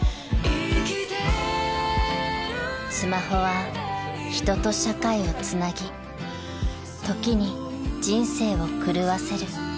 ［スマホは人と社会をつなぎ時に人生を狂わせる］